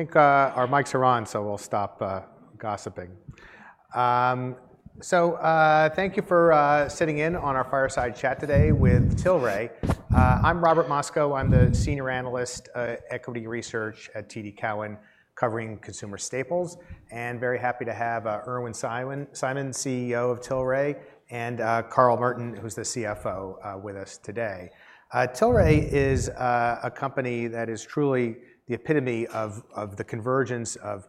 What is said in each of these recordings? I think our mics are on, so we'll stop gossiping. Thank you for sitting in on our fireside chat today with Tilray. I'm Robert Moscow. I'm the Senior Analyst, Equity Research at TD Cowen, covering consumer staples. Very happy to have Irwin Simon, CEO of Tilray, and Carl Merton, who's the CFO, with us today. Tilray is a company that is truly the epitome of the convergence of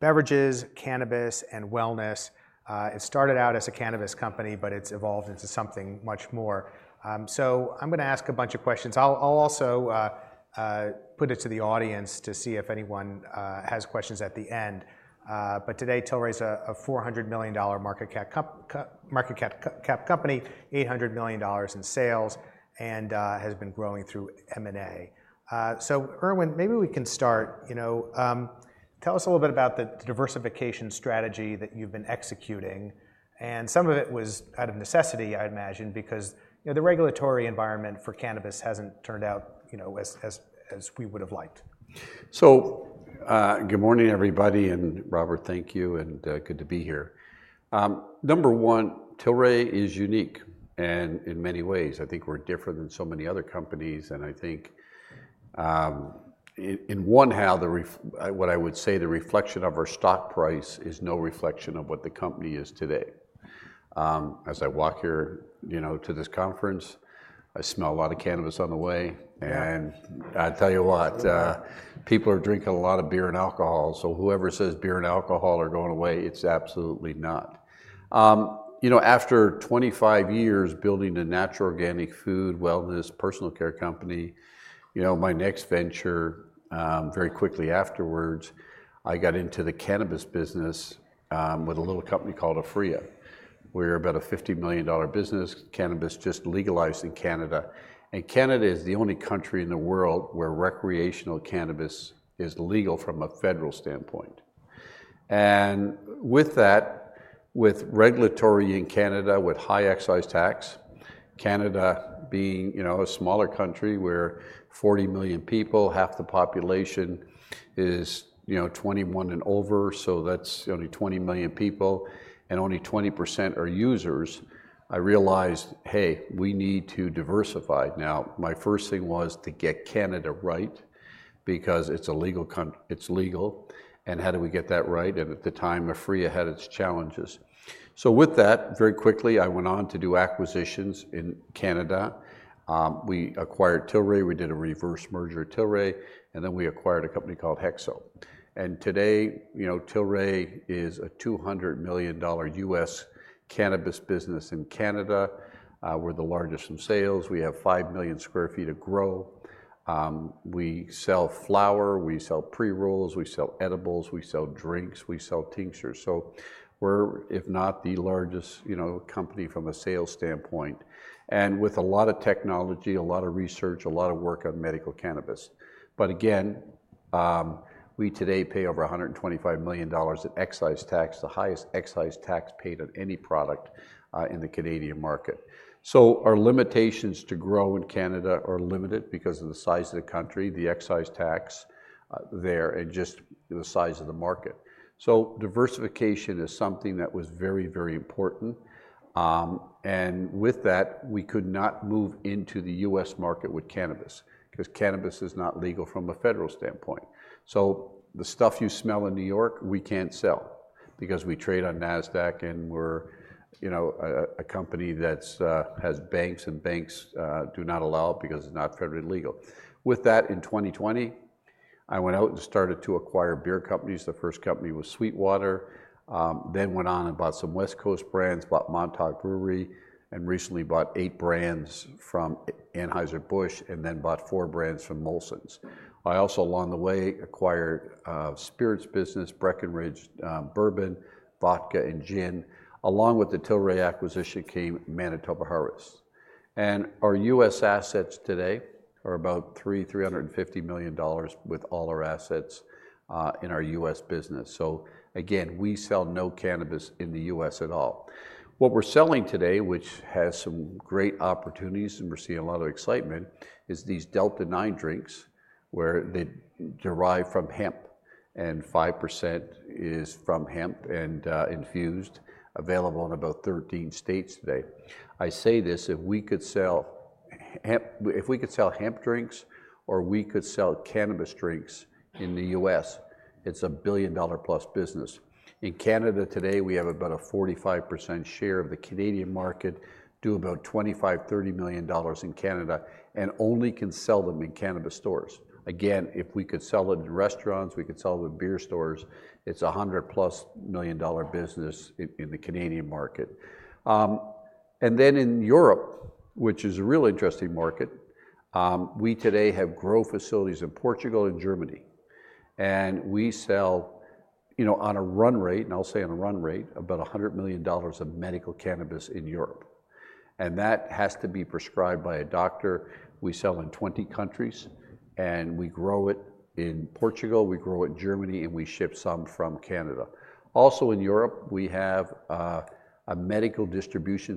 beverages, cannabis, and wellness. It started out as a cannabis company, but it's evolved into something much more. I'm going to ask a bunch of questions. I'll also put it to the audience to see if anyone has questions at the end. Today, Tilray is a $400 million market cap company, $800 million in sales, and has been growing through M&A. Irwin, maybe we can start. Tell us a little bit about the diversification strategy that you've been executing. Some of it was out of necessity, I imagine, because the regulatory environment for cannabis hasn't turned out as we would have liked. Good morning, everybody. Robert, thank you. Good to be here. Number one, Tilray is unique in many ways. I think we're different than so many other companies. I think, in one, what I would say, the reflection of our stock price is no reflection of what the company is today. As I walk here to this conference, I smell a lot of cannabis on the way. I'll tell you what, people are drinking a lot of beer and alcohol. Whoever says beer and alcohol are going away, it's absolutely not. After 25 years building a natural organic food, wellness, personal care company, my next venture, very quickly afterwards, I got into the cannabis business with a little company called Aphria. We're about a $50 million business, cannabis just legalized in Canada. Canada is the only country in the world where recreational cannabis is legal from a federal standpoint. With regulatory in Canada, with high excise tax, Canada being a smaller country with 40 million people, half the population is 21 and over, so that's only 20 million people, and only 20% are users, I realized, hey, we need to diversify. My first thing was to get Canada right, because it's a legal country. It's legal. How do we get that right? At the time, Aphria had its challenges. With that, very quickly, I went on to do acquisitions in Canada. We acquired Tilray. We did a reverse merger of Tilray. Then we acquired a company called HEXO. Today, Tilray is a $200 million US cannabis business in Canada. We're the largest in sales. We have 5 million sq ft of grow. We sell flower. We sell pre-rolls. We sell edibles. We sell drinks. We sell tinctures. We are, if not the largest company from a sales standpoint, and with a lot of technology, a lot of research, a lot of work on medical cannabis. We today pay over $125 million in excise tax, the highest excise tax paid on any product in the Canadian market. Our limitations to grow in Canada are limited because of the size of the country, the excise tax there, and just the size of the market. Diversification is something that was very, very important. With that, we could not move into the U.S. market with cannabis, because cannabis is not legal from a federal standpoint. The stuff you smell in New York, we can't sell, because we trade on NASDAQ. We're a company that has banks, and banks do not allow it because it's not federally legal. In 2020, I went out and started to acquire beer companies. The first company was SweetWater. I went on and bought some West Coast brands, bought Montauk Brewing, and recently bought eight brands from Anheuser-Busch, and then bought four brands from Molson. I also, along the way, acquired spirits business, Breckenridge Bourbon, vodka, and gin. Along with the Tilray acquisition came Manitoba Harvest. Our US assets today are about $350 million with all our assets in our US business. Again, we sell no cannabis in the US at all. What we're selling today, which has some great opportunities, and we're seeing a lot of excitement, is these Delta-9 drinks, where they derive from hemp, and 5% is from hemp and infused, available in about 13 states today. I say this: if we could sell hemp drinks, or we could sell cannabis drinks in the U.S., it's a billion-dollar-plus business. In Canada today, we have about a 45% share of the Canadian market, do about $25 million-$30 million in Canada, and only can sell them in cannabis stores. Again, if we could sell them in restaurants, we could sell them in beer stores. It's a $100 million-plus business in the Canadian market. In Europe, which is a real interesting market, we today have grow facilities in Portugal and Germany. We sell, on a run rate, and I'll say on a run rate, about $100 million of medical cannabis in Europe. That has to be prescribed by a doctor. We sell in 20 countries. We grow it in Portugal. We grow it in Germany. We ship some from Canada. Also in Europe, we have a medical distribution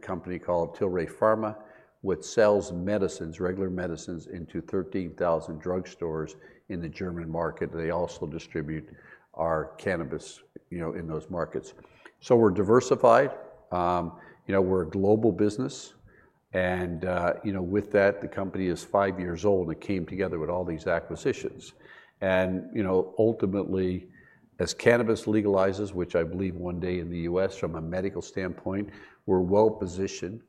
company called Tilray Pharma, which sells medicines, regular medicines, into 13,000 drugstores in the German market. They also distribute our cannabis in those markets. We are diversified. We are a global business. The company is five years old, and it came together with all these acquisitions. Ultimately, as cannabis legalizes, which I believe one day in the U.S., from a medical standpoint, we are well positioned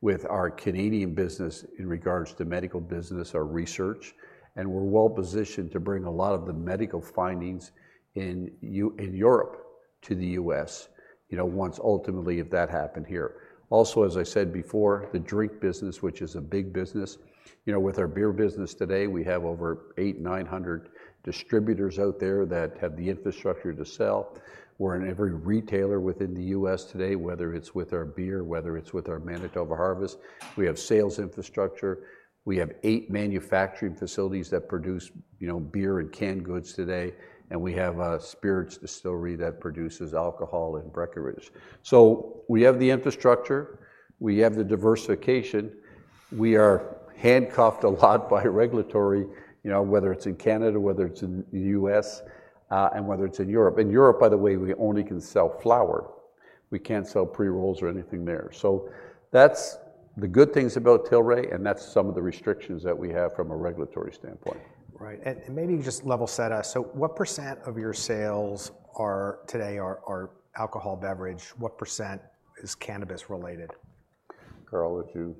with our Canadian business in regards to medical business, our research. We are well positioned to bring a lot of the medical findings in Europe to the U.S. once, ultimately, if that happened here. Also, as I said before, the drink business, which is a big business. With our beer business today, we have over 800-900 distributors out there that have the infrastructure to sell. We're in every retailer within the U.S. today, whether it's with our beer, whether it's with our Manitoba Harvest. We have sales infrastructure. We have eight manufacturing facilities that produce beer and canned goods today. We have a spirits distillery that produces alcohol and Breckenridge. We have the infrastructure. We have the diversification. We are handcuffed a lot by regulatory, whether it's in Canada, whether it's in the U.S., and whether it's in Europe. In Europe, by the way, we only can sell flower. We can't sell pre-rolls or anything there. That's the good things about Tilray. That's some of the restrictions that we have from a regulatory standpoint. Right. Maybe just level set us. What % of your sales today are alcohol beverage? What % is cannabis related? Carl, would you?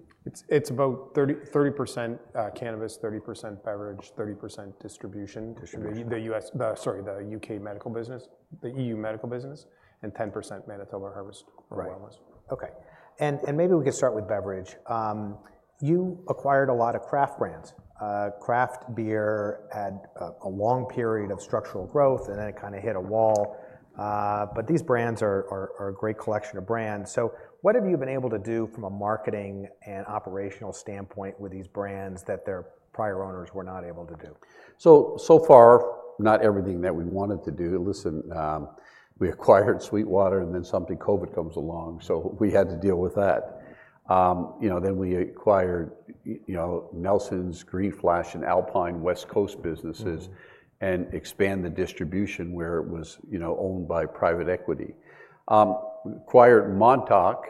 It's about 30% cannabis, 30% beverage, 30% distribution. Distribution. The U.K. medical business, the EU medical business, and 10% Manitoba Harvest for wellness. Right. OK. Maybe we could start with beverage. You acquired a lot of craft brands. Craft beer had a long period of structural growth, and then it kind of hit a wall. These brands are a great collection of brands. What have you been able to do from a marketing and operational standpoint with these brands that their prior owners were not able to do? So far, not everything that we wanted to do. Listen, we acquired SweetWater. And then something, COVID, comes along. So we had to deal with that. Then we acquired Nelson's, Green Flash, and Alpine West Coast businesses and expand the distribution where it was owned by private equity. We acquired Montauk,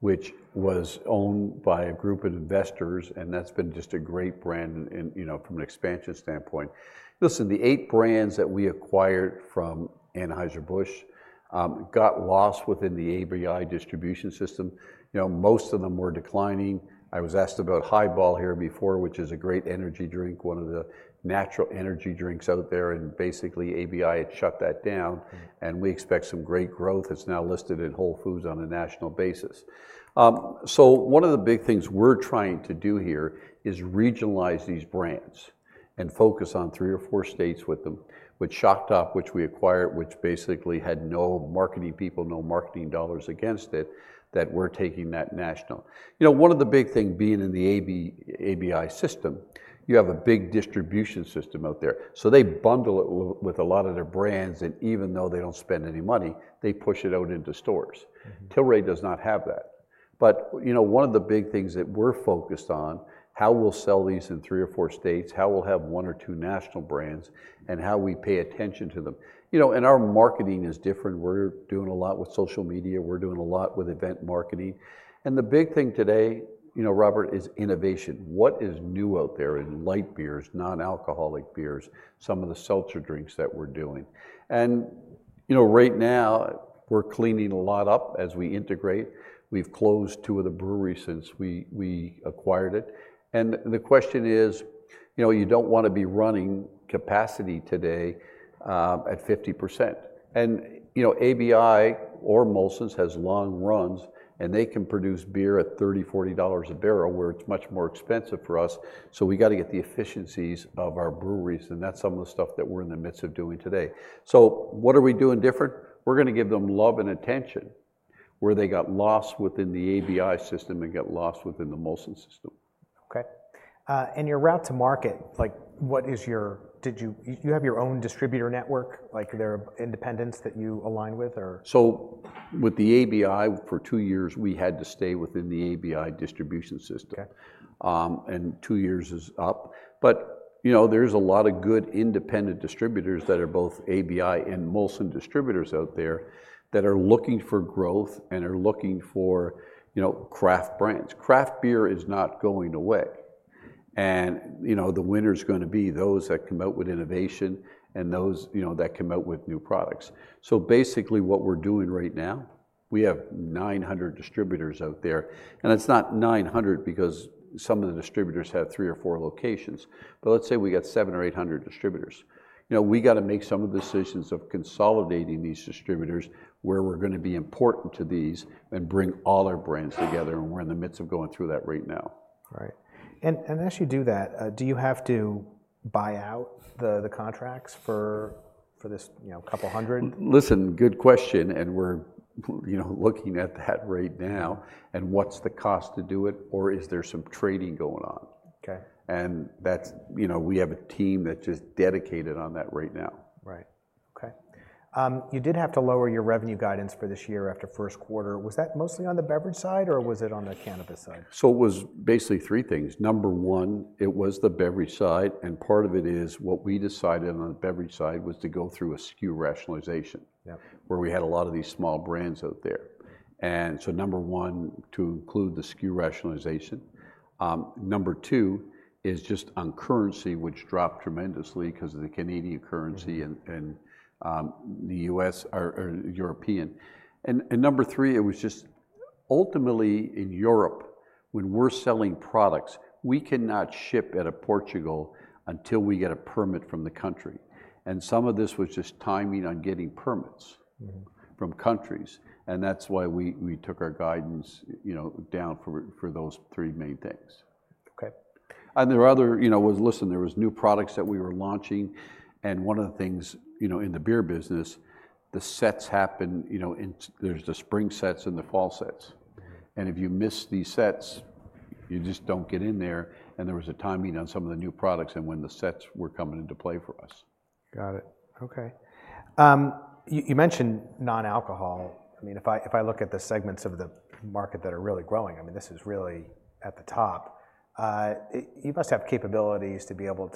which was owned by a group of investors. And that's been just a great brand from an expansion standpoint. Listen, the eight brands that we acquired from Anheuser-Busch got lost within the ABI distribution system. Most of them were declining. I was asked about Highball here before, which is a great energy drink, one of the natural energy drinks out there. And basically, ABI had shut that down. And we expect some great growth. It's now listed in Whole Foods on a national basis. One of the big things we're trying to do here is regionalize these brands and focus on three or four states with them, with Shocktop, which we acquired, which basically had no marketing people, no marketing dollars against it, that we're taking that national. One of the big things, being in the ABI system, you have a big distribution system out there. They bundle it with a lot of their brands. Even though they do not spend any money, they push it out into stores. Tilray does not have that. One of the big things that we're focused on is how we'll sell these in three or four states, how we'll have one or two national brands, and how we pay attention to them. Our marketing is different. We're doing a lot with social media. We're doing a lot with event marketing. The big thing today, Robert, is innovation. What is new out there in light beers, non-alcoholic beers, some of the seltzer drinks that we're doing? Right now, we're cleaning a lot up as we integrate. We've closed two of the breweries since we acquired it. The question is, you don't want to be running capacity today at 50%. ABI or Molson's has long runs. They can produce beer at $30-$40 a barrel, where it's much more expensive for us. We've got to get the efficiencies of our breweries. That's some of the stuff that we're in the midst of doing today. What are we doing different? We're going to give them love and attention, where they got lost within the ABI system and got lost within the Molson system. OK. And your route to market, what is your, you have your own distributor network? Are there independents that you align with, or? With the ABI, for two years, we had to stay within the ABI distribution system. Two years is up. There are a lot of good independent distributors that are both ABI and Molson distributors out there that are looking for growth and are looking for craft brands. Craft beer is not going away. The winner is going to be those that come out with innovation and those that come out with new products. Basically, what we are doing right now, we have 900 distributors out there. It is not 900, because some of the distributors have three or four locations. Let's say we have 700 or 800 distributors. We have to make some of the decisions of consolidating these distributors, where we are going to be important to these, and bring all our brands together. We are in the midst of going through that right now. Right. As you do that, do you have to buy out the contracts for this couple hundred? Listen, good question. We're looking at that right now. What's the cost to do it? Is there some trading going on? We have a team that's just dedicated on that right now. Right. OK. You did have to lower your revenue guidance for this year after first quarter. Was that mostly on the beverage side, or was it on the cannabis side? It was basically three things. Number one, it was the beverage side. Part of it is what we decided on the beverage side was to go through a SKU rationalization, where we had a lot of these small brands out there. Number one, to include the SKU rationalization. Number two is just on currency, which dropped tremendously because of the Canadian currency and the US or European. Number three, it was just ultimately in Europe, when we are selling products, we cannot ship out of Portugal until we get a permit from the country. Some of this was just timing on getting permits from countries. That is why we took our guidance down for those three main things. OK. There were other, listen, there were new products that we were launching. One of the things in the beer business, the sets happen. There are the spring sets and the fall sets. If you miss these sets, you just do not get in there. There was a timing on some of the new products and when the sets were coming into play for us. Got it. OK. You mentioned non-alcohol. I mean, if I look at the segments of the market that are really growing, I mean, this is really at the top. You must have capabilities to be able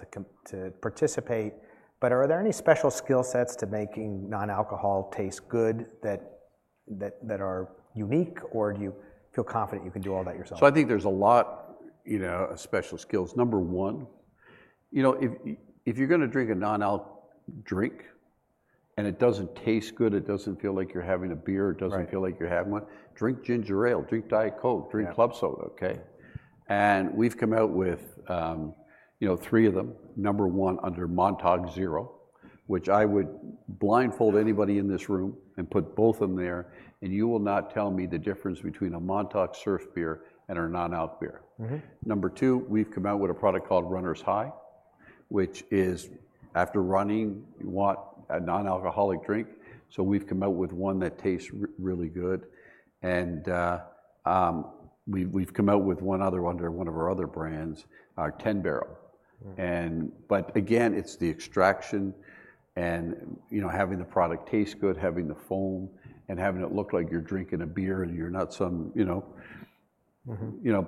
to participate. Are there any special skill sets to making non-alcohol taste good that are unique, or do you feel confident you can do all that yourself? I think there's a lot of special skills. Number one, if you're going to drink a non-alcohol drink and it doesn't taste good, it doesn't feel like you're having a beer, it doesn't feel like you're having one, drink ginger ale, drink Diet Coke, drink club soda. OK. We've come out with three of them. Number one, under Montauk Zero, which I would blindfold anybody in this room and put both of them there. You will not tell me the difference between a Montauk Surf beer and our non-alcohol beer. Number two, we've come out with a product called Runner's High, which is after running, you want a non-alcoholic drink. We've come out with one that tastes really good. We've come out with one other under one of our other brands, our Ten Barrel. Again, it's the extraction and having the product taste good, having the foam, and having it look like you're drinking a beer and you're not some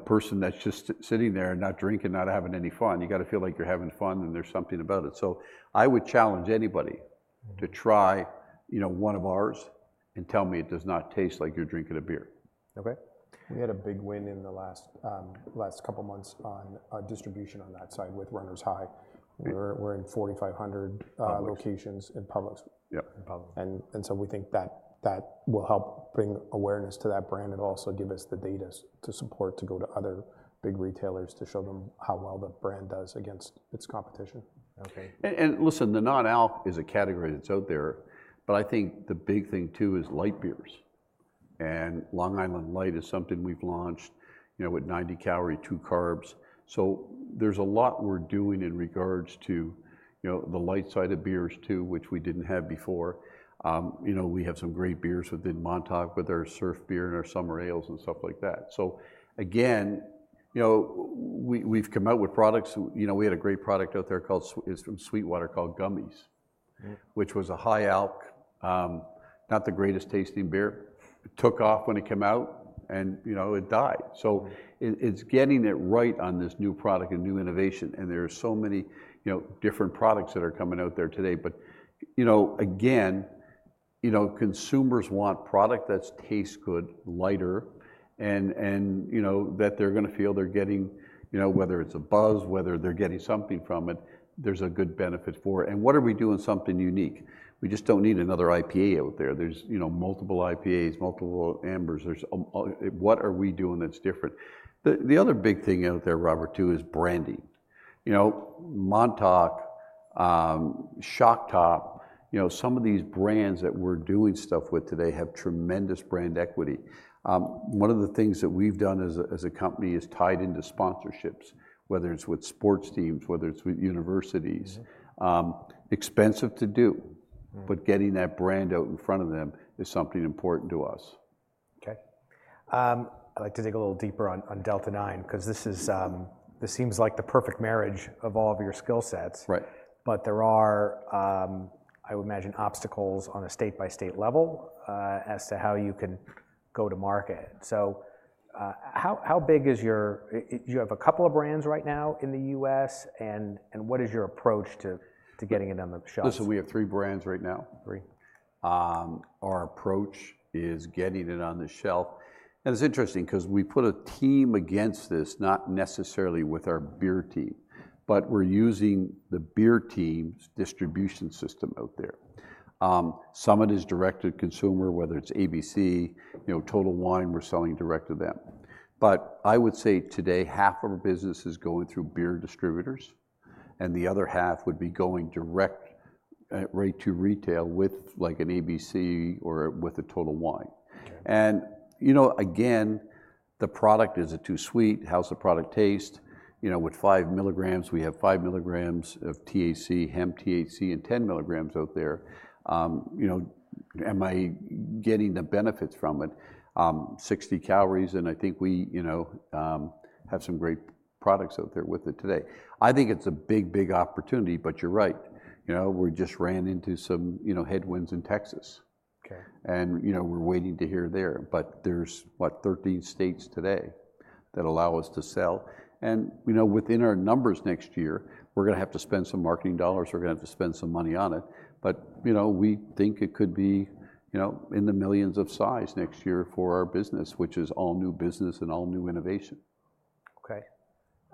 person that's just sitting there and not drinking, not having any fun. You've got to feel like you're having fun. There's something about it. I would challenge anybody to try one of ours and tell me it does not taste like you're drinking a beer. OK. We had a big win in the last couple months on distribution on that side with Runner's High. We're in 4,500 locations in public. Yep. We think that will help bring awareness to that brand and also give us the data to support to go to other big retailers to show them how well the brand does against its competition. OK. Listen, the non-alcohol is a category that's out there. I think the big thing, too, is light beers. Long Island Light is something we've launched with 90 calorie, two carbs. There's a lot we're doing in regards to the light side of beers, too, which we didn't have before. We have some great beers within Montauk with our Surf beer and our Summer Ale and stuff like that. Again, we've come out with products. We had a great product out there from SweetWater called Gummies, which was a high-alcohol, not the greatest tasting beer. It took off when it came out. It died. It's getting it right on this new product and new innovation. There are so many different products that are coming out there today. Again, consumers want product that tastes good, lighter, and that they're going to feel they're getting, whether it's a buzz, whether they're getting something from it, there's a good benefit for it. What are we doing that's unique? We just don't need another IPA out there. There are multiple IPAs, multiple amber. What are we doing that's different? The other big thing out there, Robert, too, is branding. Montauk, Shocktop, some of these brands that we're doing stuff with today have tremendous brand equity. One of the things that we've done as a company is tied into sponsorships, whether it's with sports teams, whether it's with universities. Expensive to do. Getting that brand out in front of them is something important to us. OK. I'd like to dig a little deeper on Delta-9, because this seems like the perfect marriage of all of your skill sets. Right. There are, I would imagine, obstacles on a state-by-state level as to how you can go to market. How big is your, you have a couple of brands right now in the U.S., and what is your approach to getting it on the shelf? Listen, we have three brands right now. Three. Our approach is getting it on the shelf. It is interesting, because we put a team against this, not necessarily with our beer team. We are using the beer team's distribution system out there. Some of it is direct to consumer, whether it is ABC, Total Wine, we are selling direct to them. I would say today, half of our business is going through beer distributors. The other half would be going direct right to retail with an ABC or with a Total Wine. The product is not too sweet. How is the product taste? With 5 milligrams, we have 5 milligrams of THC, hemp THC, and 10 milligrams out there. Am I getting the benefits from it? 60 calories. I think we have some great products out there with it today. I think it is a big, big opportunity. You are right. We just ran into some headwinds in Texas. OK. We are waiting to hear there. There are, what, 13 states today that allow us to sell. Within our numbers next year, we are going to have to spend some marketing dollars. We are going to have to spend some money on it. We think it could be in the millions of size next year for our business, which is all new business and all new innovation.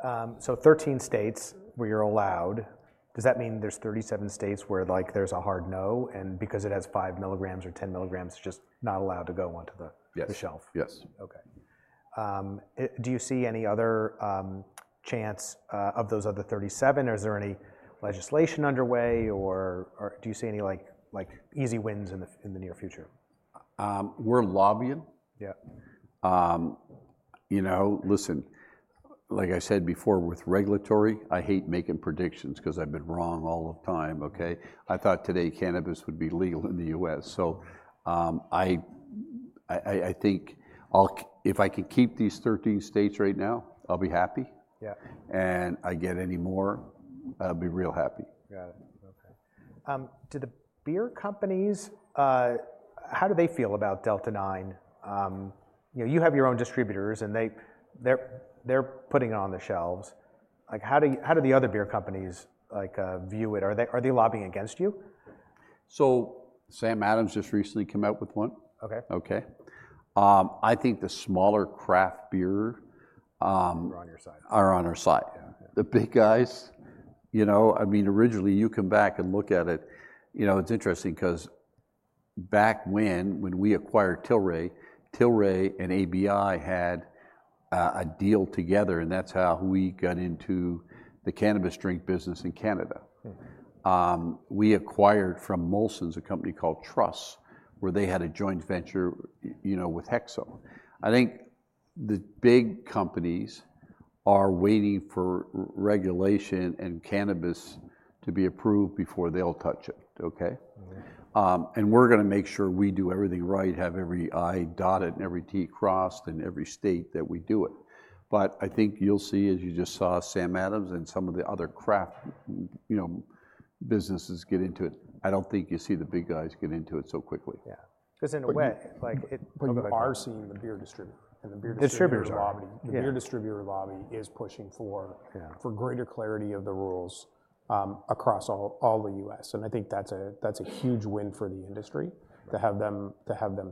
OK. Thirteen states where you're allowed. Does that mean there's thirty-seven states where there's a hard no? And because it has five milligrams or ten milligrams, just not allowed to go onto the shelf? Yes. OK. Do you see any other chance of those other 37? Is there any legislation underway? Or do you see any easy wins in the near future? We're lobbying. Yeah. Listen, like I said before, with regulatory, I hate making predictions, because I've been wrong all the time. OK. I thought today cannabis would be legal in the U.S. I think if I can keep these 13 states right now, I'll be happy. Yeah. I get any more, I'll be real happy. Got it. OK. Do the beer companies, how do they feel about Delta-9? You have your own distributors. And they're putting it on the shelves. How do the other beer companies view it? Are they lobbying against you? Sam Adams just recently came out with one. OK. OK. I think the smaller craft beer. Are on your side. Are on our side. The big guys, I mean, originally, you come back and look at it. It's interesting, because back when we acquired Tilray, Tilray and ABI had a deal together. That's how we got into the cannabis drink business in Canada. We acquired from Molson Coors a company called Truss, where they had a joint venture with HEXO. I think the big companies are waiting for regulation and cannabis to be approved before they'll touch it. OK. We're going to make sure we do everything right, have every I dotted and every T crossed in every state that we do it. I think you'll see, as you just saw, Sam Adams and some of the other craft businesses get into it. I don't think you see the big guys get into it so quickly. Yeah. Because in a way, like our scene, the beer distributor and the beer distributors. Distributors. The beer distributor lobby is pushing for greater clarity of the rules across all the U.S. I think that's a huge win for the industry to have them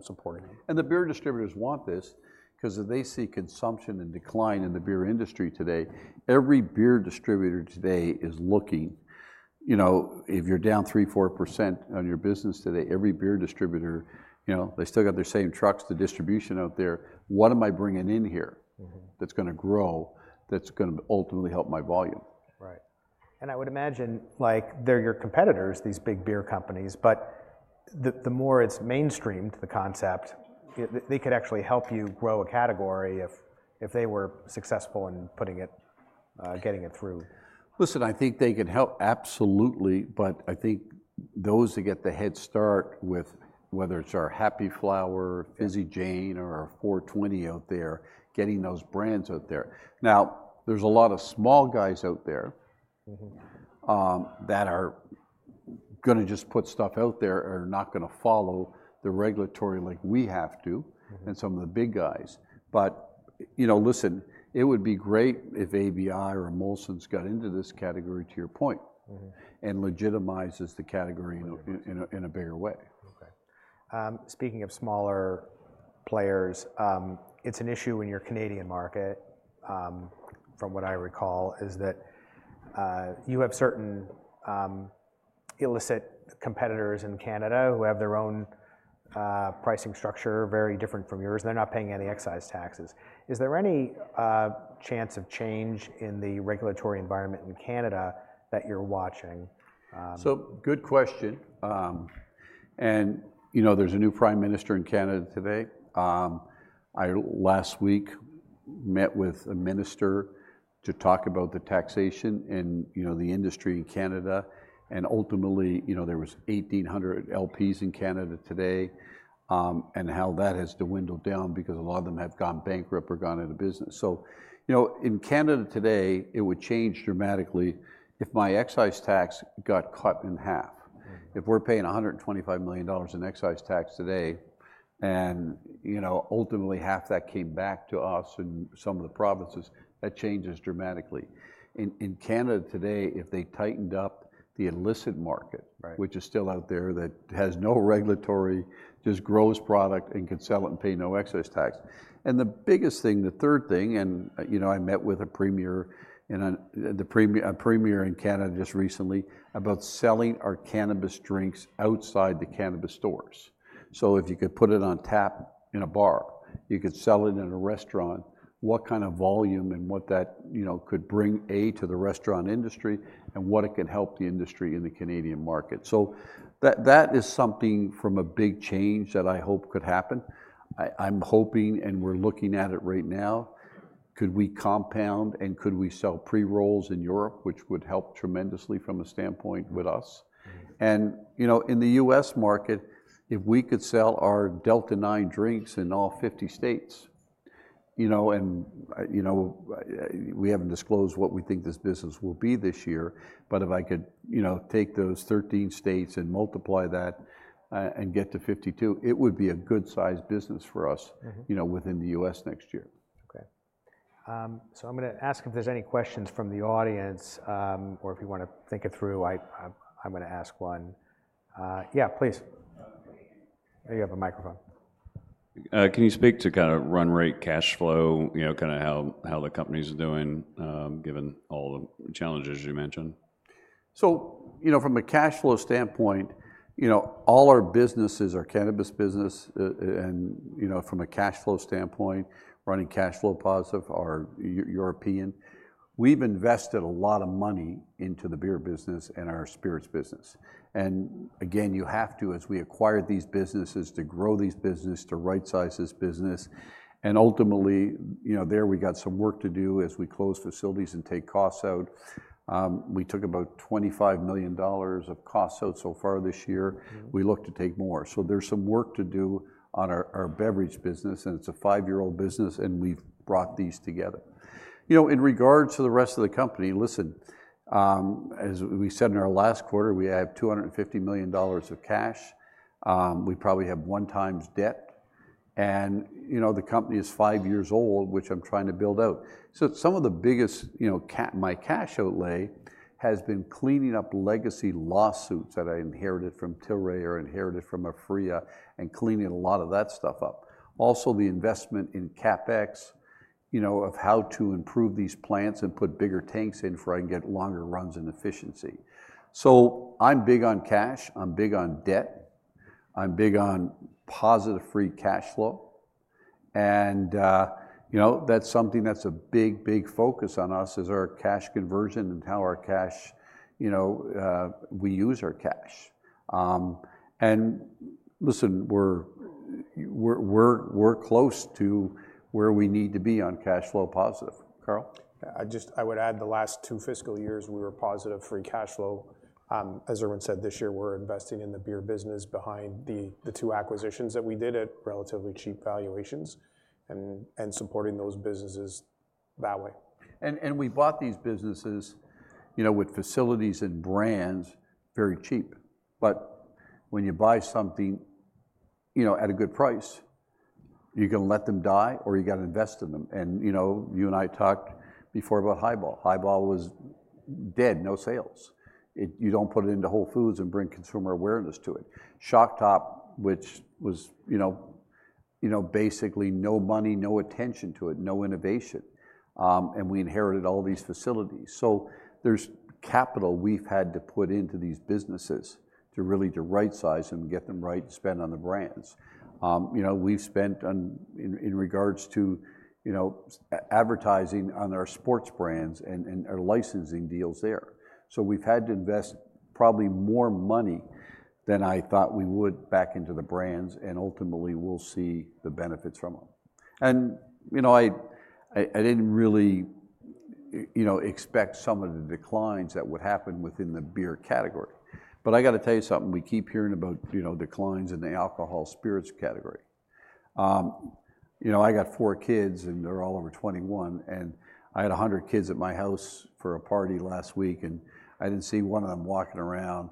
supporting it. The beer distributors want this, because if they see consumption and decline in the beer industry today, every beer distributor today is looking. If you're down 3%-4% on your business today, every beer distributor, they still got their same trucks, the distribution out there. What am I bringing in here that's going to grow, that's going to ultimately help my volume? Right. I would imagine they're your competitors, these big beer companies. The more it's mainstreamed, the concept, they could actually help you grow a category if they were successful in getting it through. Listen, I think they can help, absolutely. I think those that get the head start with whether it's our Happy Flower, Fizzy Jane, or our 420 out there, getting those brands out there. Now, there's a lot of small guys out there that are going to just put stuff out there or not going to follow the regulatory like we have to and some of the big guys. Listen, it would be great if ABI or Molson's got into this category, to your point, and legitimizes the category in a bigger way. OK. Speaking of smaller players, it's an issue in your Canadian market, from what I recall, is that you have certain illicit competitors in Canada who have their own pricing structure very different from yours. They're not paying any excise taxes. Is there any chance of change in the regulatory environment in Canada that you're watching? Good question. There is a new prime minister in Canada today. I last week met with a minister to talk about the taxation in the industry in Canada. Ultimately, there were 1,800 LPs in Canada today and how that has dwindled down, because a lot of them have gone bankrupt or gone out of business. In Canada today, it would change dramatically if my excise tax got cut in half. If we are paying $125 million in excise tax today, and ultimately half that came back to us and some of the provinces, that changes dramatically. In Canada today, if they tightened up the illicit market, which is still out there that has no regulatory, just grows product and can sell it and pay no excise tax. The biggest thing, the third thing, I met with a premier in Canada just recently about selling our cannabis drinks outside the cannabis stores. If you could put it on tap in a bar, you could sell it in a restaurant, what kind of volume and what that could bring, A, to the restaurant industry and what it can help the industry in the Canadian market. That is something from a big change that I hope could happen. I'm hoping, and we're looking at it right now, could we compound and could we sell pre-rolls in Europe, which would help tremendously from a standpoint with us. In the U.S. market, if we could sell our Delta-9 drinks in all 50 states, and we haven't disclosed what we think this business will be this year. If I could take those 13 states and multiply that and get to 52, it would be a good size business for us within the US next year. OK. I'm going to ask if there's any questions from the audience or if you want to think it through. I'm going to ask one. Yeah, please. You have a microphone. Can you speak to kind of run rate, cash flow, kind of how the companies are doing, given all the challenges you mentioned? From a cash flow standpoint, all our businesses, our cannabis business, and from a cash flow standpoint, running cash flow positive are European. We've invested a lot of money into the beer business and our spirits business. You have to, as we acquired these businesses, to grow these businesses, to right size this business. Ultimately, there we got some work to do as we close facilities and take costs out. We took about $25 million of costs out so far this year. We look to take more. There's some work to do on our beverage business. It's a five-year-old business. We've brought these together. In regards to the rest of the company, listen, as we said in our last quarter, we have $250 million of cash. We probably have one time's debt. The company is five years old, which I'm trying to build out. Some of the biggest, my cash outlay has been cleaning up legacy lawsuits that I inherited from Tilray or inherited from Aphria and cleaning a lot of that stuff up. Also, the investment in CapEx of how to improve these plants and put bigger tanks in for I can get longer runs and efficiency. I'm big on cash. I'm big on debt. I'm big on positive free cash flow. That's something that's a big, big focus on us is our cash conversion and how we use our cash. Listen, we're close to where we need to be on cash flow positive. Carl? I would add the last two fiscal years, we were positive free cash flow. As Irwin said, this year, we're investing in the beer business behind the two acquisitions that we did at relatively cheap valuations and supporting those businesses that way. We bought these businesses with facilities and brands very cheap. When you buy something at a good price, you can let them die or you got to invest in them. You and I talked before about Highball. Highball was dead, no sales. You do not put it into Whole Foods and bring consumer awareness to it. Shocktop, which was basically no money, no attention to it, no innovation. We inherited all these facilities. There is capital we have had to put into these businesses to really right size them and get them right and spend on the brands. We have spent in regards to advertising on our sports brands and our licensing deals there. We have had to invest probably more money than I thought we would back into the brands. Ultimately, we will see the benefits from them. I did not really expect some of the declines that would happen within the beer category. I got to tell you something. We keep hearing about declines in the alcohol spirits category. I have four kids, and they are all over 21. I had 100 kids at my house for a party last week. I did not see one of them walking around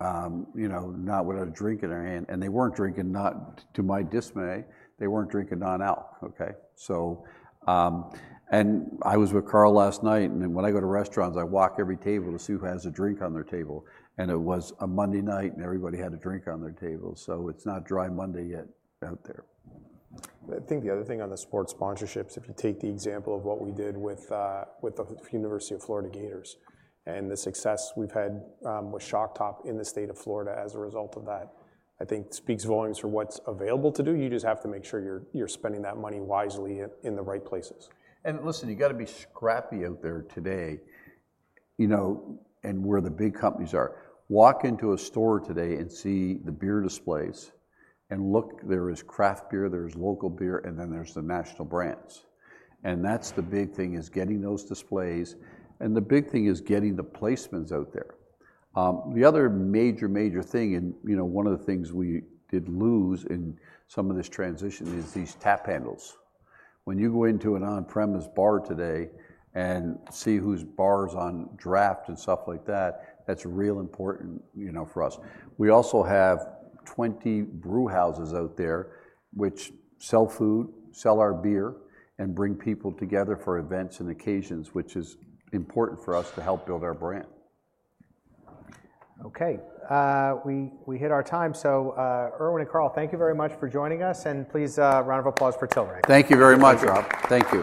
not with a drink in their hand. They were not drinking, not to my dismay, they were not drinking non-alcohol. OK. I was with Carl last night. When I go to restaurants, I walk every table to see who has a drink on their table. It was a Monday night. Everybody had a drink on their table. It is not dry Monday yet out there. I think the other thing on the sports sponsorships, if you take the example of what we did with the University of Florida Gators and the success we've had with Shocktop in the state of Florida as a result of that, I think speaks volumes for what's available to do. You just have to make sure you're spending that money wisely in the right places. Listen, you got to be scrappy out there today. Where the big companies are, walk into a store today and see the beer displays. Look, there is craft beer, there is local beer, and then there are the national brands. The big thing is getting those displays. The big thing is getting the placements out there. The other major, major thing, and one of the things we did lose in some of this transition, is these tap handles. When you go into an on-premise bar today and see whose bar is on draft and stuff like that, that is real important for us. We also have 20 brewhouses out there, which sell food, sell our beer, and bring people together for events and occasions, which is important for us to help build our brand. OK. We hit our time. Irwin and Carl, thank you very much for joining us. Please, a round of applause for Tilray. Thank you very much, Rob. Thank you.